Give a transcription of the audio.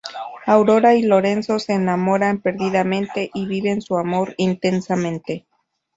Aurora y Lorenzo se enamoran perdidamente y viven su amor intensamente.